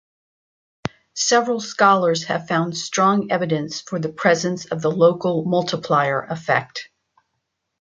Several scholars have found strong evidence for the presence of the local multiplier effect.